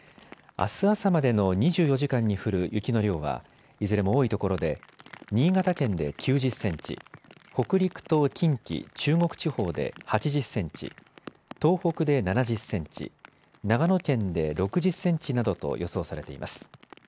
あす朝までの２４時間に降る雪の量はいずれも多いところで新潟県で９０センチ、北陸と近畿、中国地方で８０センチ、東北で７０センチ、長野県で６０センチなどと予想されています。